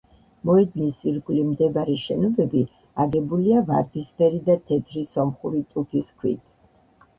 მოედნის ირგვლივ მდებარე შენობები აგებულია ვარდისფერი და თეთრი სომხური ტუფის ქვით.